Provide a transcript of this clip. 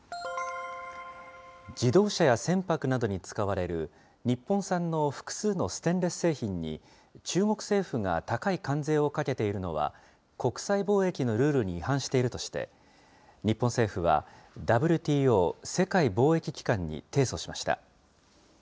自動車や船舶などに使われる日本産の複数のステンレス製品に、中国政府が高い関税をかけているのは、国際貿易のルールに違反しているとして、日本政府は、ＷＴＯ・世界貿易機関に提訴しました。